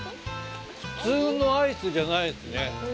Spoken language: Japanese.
普通のアイスじゃないですね。